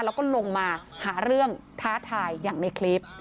แล้วก็ลงมาหาเรื่องท้าทายอย่างในคลิป